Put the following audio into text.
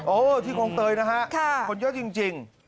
โอ้ที่กรงเตยนะฮะคนเยอะจริง